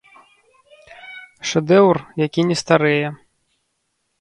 Шэдэўр, які не старэе.